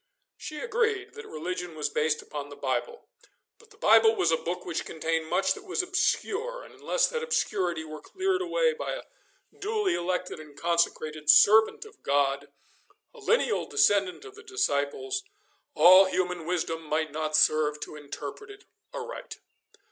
She agreed that religion was based upon the Bible, but the Bible was a book which contained much that was obscure, and unless that obscurity were cleared away by a duly elected and consecrated servant of God, a lineal descendant of the Disciples, all human wisdom might not serve to interpret it aright.